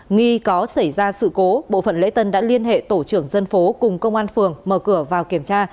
nghi có xảy ra sự cố bộ phận lễ tân đã liên hệ tổ trưởng dân phố cùng công an phường mở cửa vào kiểm tra